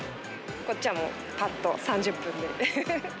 こっちはもう、ぱっと３０分で。